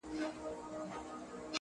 • خدای به د وطن له مخه ژر ورک کړي دا شر؛